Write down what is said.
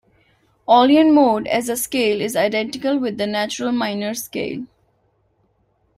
Aeolian mode as a scale is identical with the natural minor scale.